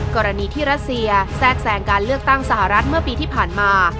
กรณีที่รัสเซียแทรกแสงการเลือกตั้งสหรัฐเมื่อปีที่ผ่านมา